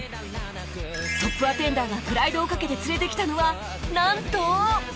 トップアテンダーがプライドを懸けて連れてきたのはなんと